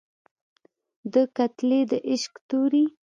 ده کتلى د عشق تورى